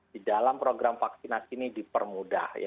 di dalam program vaksinasi ini dipermudah